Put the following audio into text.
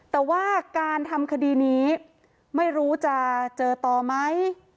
แต่ว่าการทำคดีนี้ไม่รู้จะเจอต่อไหม